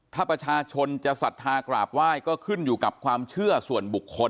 ถ้าประชาชนจะศรัทธากราบไหว้ก็ขึ้นอยู่กับความเชื่อส่วนบุคคล